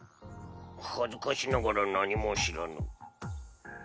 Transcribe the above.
恥ずかしながら何も知らぬ。